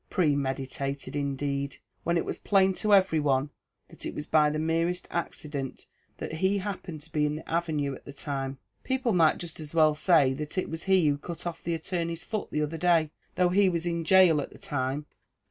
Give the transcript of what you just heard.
Premeditated indeed, when it was plain to every one, that it was by the merest accident that he happened to be in the avenue at the time. People might just as well say that it was he who cut off the attorney's foot the other day, though he was in gaol at the time.